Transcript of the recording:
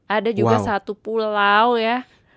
ada juga satu pulau ya